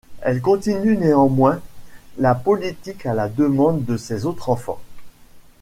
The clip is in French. Elle continue néanmoins la politique à la demande de ses autres enfants.